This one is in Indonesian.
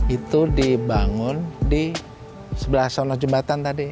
itu dibangun di sebelah sana jembatan tadi